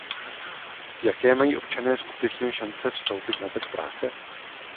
Jaké mají občané skutečné šance vstoupit na trh práce?